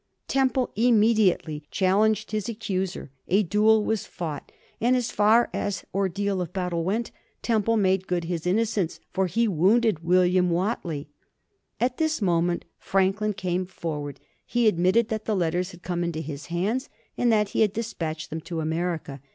Temple immediately challenged his accuser; a duel was fought, and as far as ordeal of battle went, Temple made good his innocence, for he wounded William Whately. At this moment Franklin came forward. He admitted that the letters had come into his hands, and that he had despatched them to America.